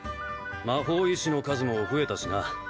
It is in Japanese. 魔法医師の数も増えたしな